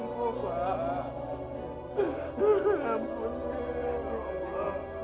ya ampun ya ampun